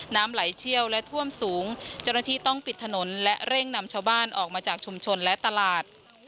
น้ำไหลเชี่ยวและท่วมสูงเจ้าหน้าที่ต้องปิดถนนและเร่งนำชาวบ้านออกมาจากชุมชนและตลาด